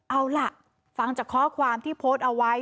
เอาล่ะฟังจากข้อความที่โพสต์เอาไว้